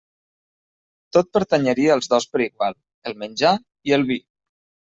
Tot pertanyeria als dos per igual: el menjar i el vi.